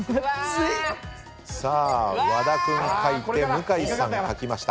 さあ和田君書いて向井さん書きました。